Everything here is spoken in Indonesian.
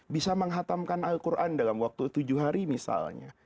bisa menghatamkan al quran dalam waktu tujuh hari misalnya